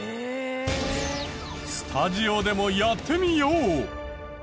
スタジオでもやってみよう！